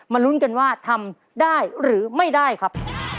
ลุ้นกันว่าทำได้หรือไม่ได้ครับ